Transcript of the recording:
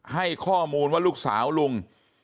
ให้ข้อมูลว่าลูกสาวลุง